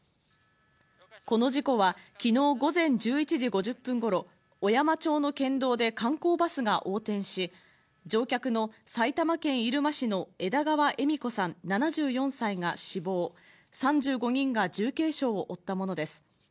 この事故は昨日午前１１時５０分頃、小山町の県道で観光バスが横転し、乗客の埼玉県入間市の枝川恵美子さん７４歳が死亡、３５人が重軽傷を負ったものです。